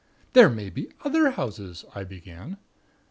"There may be other houses " I began.